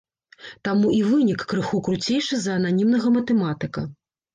Таму і вынік крыху круцейшы за ананімнага матэматыка.